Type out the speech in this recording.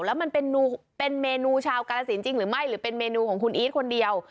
แล้วมันเป็นเมนูชาวกาลสินจริงหรือไม่หรือเป็นเมนูของคุณอีทคนเดียว